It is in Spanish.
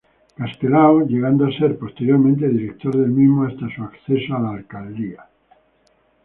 Castelao", llegando a ser posteriormente director del mismo, hasta su acceso a la alcaldía.